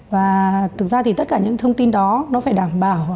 và thực ra thì tất cả những thông tin đó nó phải đảm bảo